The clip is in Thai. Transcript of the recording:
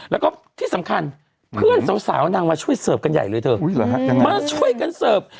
แล้วก็ที่สำคัญเพื่อนสาวนางมาช่วยเสิร์ฟกันใหญ่เลยเธอมาช่วยกันเสิร์ฟ